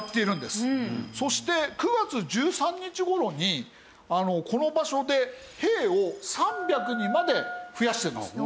そして９月１３日頃にこの場所で兵を３００にまで増やしているんです。